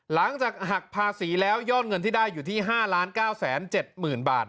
หลังจากหักภาษีแล้วยอดเงินที่ได้อยู่ที่๕๙๗๐๐๐บาท